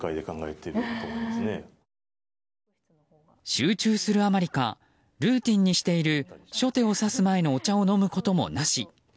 集中するあまりかルーティンにしている初手を指す前のお茶を飲むこともなし。